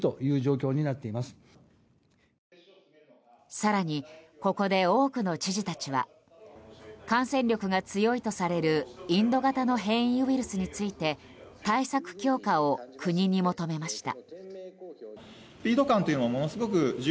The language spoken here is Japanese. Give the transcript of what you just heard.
更にここで多くの知事たちは感染力が強いとされるインド型の変異ウイルスについて対策強化を国に求めました。